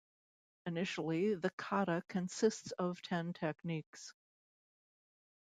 Initially the kata consisted of ten techniques.